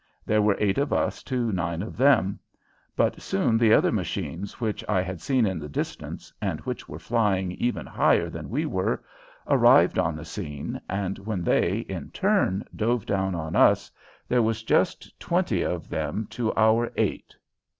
There were eight of us to nine of them. But soon the other machines which I had seen in the distance, and which were flying even higher than we were, arrived on the scene, and when they, in turn, dove down on us, there was just twenty of them to our eight!